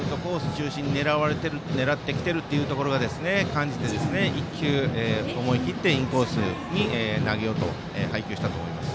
中心に狙ってきているというところを感じて１球、思い切ってインコースに投げたんだと思います。